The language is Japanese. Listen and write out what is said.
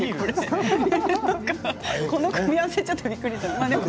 この組み合わせちょっとびっくりだけど。